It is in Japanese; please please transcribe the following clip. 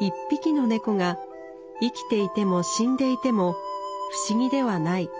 １匹の猫が生きていても死んでいても不思議ではない。